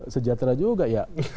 sejahtera juga ya